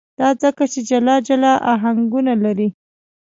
دا ځکه چې جلا جلا آهنګونه لري.